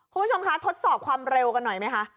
คุณผู้ชมคะทดสอบความเร็วกันหน่อยไหมคะ